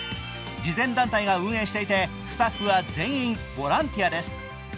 慈善団体が運営していて、スタッフは全員ボランティアです。